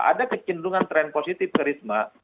ada kecenderungan tren positif ke risma